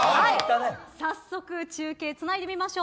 早速中継つないでみましょう。